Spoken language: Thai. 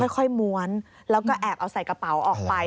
ค่อยม้วนแล้วก็แอบเอาใส่กระเป๋าออกไป